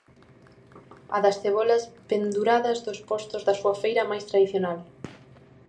A das cebolas penduradas dos postos da súa feira máis tradicional.